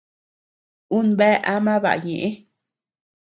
Un bea ama baʼa ñeʼë.